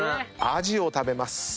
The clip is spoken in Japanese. アジを食べます。